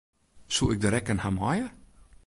Soe ik de rekken ha meie?